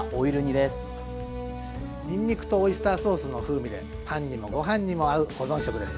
にんにくとオイスターソースの風味でパンにもご飯にも合う保存食です。